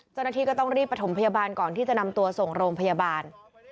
เจ้าหน้าที่ก็ต้องรีบประถมพยาบาลก่อนที่จะนำตัวส่งโรงพยาบาล